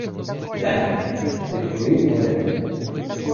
— П'яні вони, — відповів Морятин.